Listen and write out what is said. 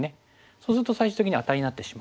そうすると最終的にアタリになってしまう。